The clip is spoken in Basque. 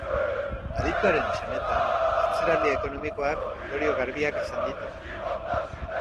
Adituaren esanetan, atzeraldi ekonomikoak ondorio garbiak izan ditu.